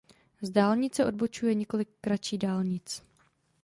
Z dálnice odbočuje několik kratší dálnic.